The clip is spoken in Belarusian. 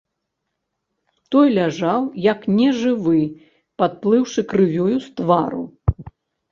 Той ляжаў, як нежывы, падплыўшы крывёю з твару.